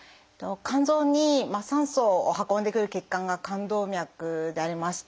肝臓に酸素を運んでくる血管が肝動脈でありまして。